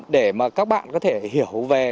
để mà các bạn có thể hiểu về